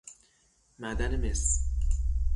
معدن مس